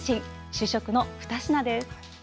主食の２品です。